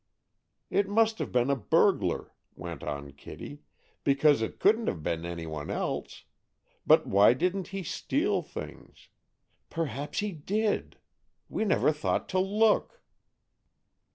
"It must have been a burglar," went on Kitty, "because it couldn't have been any one else. But why didn't he steal things? Perhaps he did! We never thought to look!"